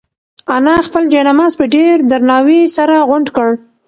انا خپل جاینماز په ډېر درناوي سره غونډ کړ.